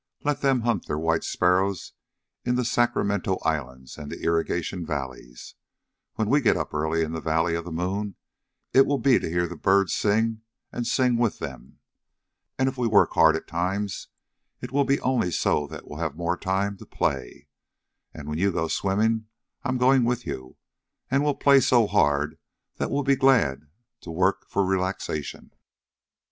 "Let them hunt their white sparrows in the Sacramento islands and the irrigation valleys. When we get up early in the valley of the moon, it will be to hear the birds sing and sing with them. And if we work hard at times, it will be only so that we'll have more time to play. And when you go swimming I 'm going with you. And we'll play so hard that we'll be glad to work for relaxation."